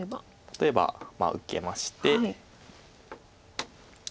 例えば受けまして。